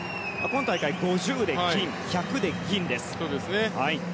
今大会５０で銀１００で銀です。